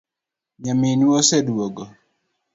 Nyaminu oseduogo?'